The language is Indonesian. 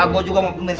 gue juga mau pamit